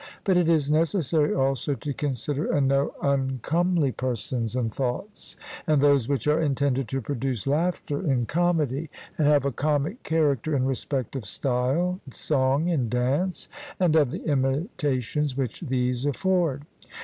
But it is necessary also to consider and know uncomely persons and thoughts, and those which are intended to produce laughter in comedy, and have a comic character in respect of style, song, and dance, and of the imitations which these afford.